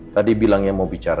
tadi bilangnya mau bicara